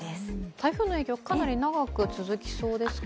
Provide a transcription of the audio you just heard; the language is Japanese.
台風の影響、かなり長く続きそうですか？